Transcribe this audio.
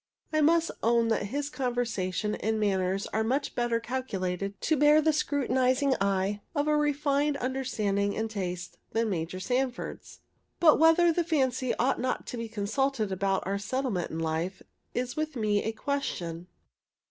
I must own that his conversation and manners are much better calculated to bear the scrutinizing eye of a refined understanding and taste than Major Sanford's. But whether the fancy ought not to be consulted about our settlement in life, is with me a question.